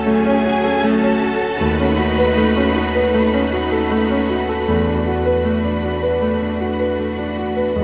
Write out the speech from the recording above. di istri kamu